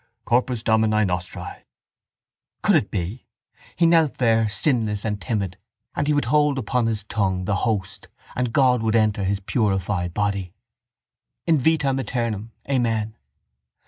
—Corpus Domini nostri. Could it be? He knelt there sinless and timid; and he would hold upon his tongue the host and God would enter his purified body. —_In vitam eternam. Amen.